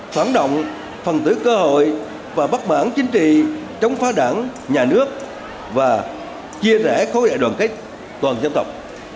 phản động phần tử cơ hội và bắt bản chính trị chống phá đảng nhà nước và chia rẽ khối đại đoàn kết toàn dân tộc